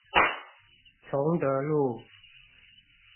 崇德路